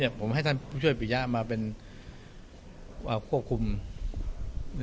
มันจะเป็นไปได้ได้ไงเฉพาะว่ามันไม่ได้เป็นตำรวจแล้ว